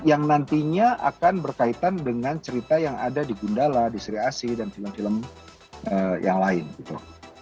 yang nantinya akan berkaitan dengan cerita yang ada di gundala di sri asi dan film film yang lain gitu